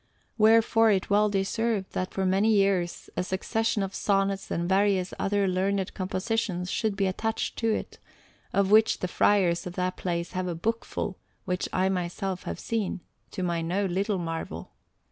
Wherefore it well deserved that for many years a succession of sonnets and various other learned compositions should be attached to it, of which the friars of that place have a book full, which I myself have seen, to my no little marvel.